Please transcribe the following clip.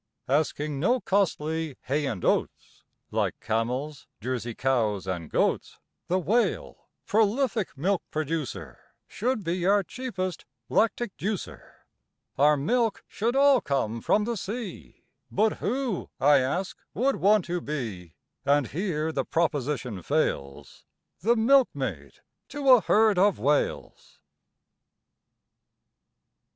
Asking no costly hay and oats, Like camels, Jersey cows, and goats, The Whale, prolific milk producer, Should be our cheapest lactic juicer. Our milk should all come from the sea, But who, I ask, would want to be, And here the proposition fails, The milkmaid to a herd of Whales?